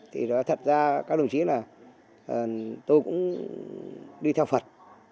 thì thật ra các đồng chí là tôi cũng đi theo phật